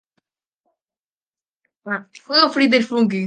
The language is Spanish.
Shrewsbury es el hogar de cuatro centros comerciales.